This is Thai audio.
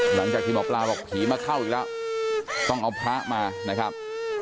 หลังจากที่หมอปลาบอกผีมาเข้าอีกแล้วต้องเอาพระมานะครับ